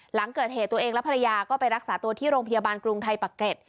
หลังเกิดเหตุตัวเองและภรรยาก็ไปรักษาตัวที่โรงพยาบาลกรุงไทยปะเกร็ด